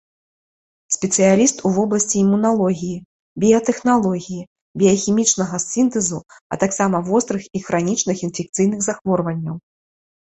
Спецыяліст у вобласці імуналогіі, біятэхналогіі, біяхімічнага сінтэзу, а таксама вострых і хранічных інфекцыйных захворванняў.